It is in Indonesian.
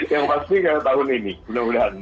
yang pasti kayak tahun ini mudah mudahan